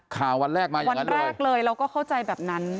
ข่าววันแรกมาอีกวันแรกเลยเราก็เข้าใจแบบนั้น